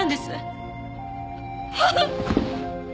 ああ。